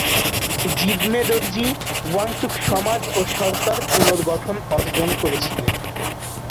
জিগমে দর্জি ওয়াংচুক সমাজ ও সরকার পুনর্গঠন অর্জন করেছিলেন।